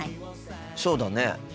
そうだね。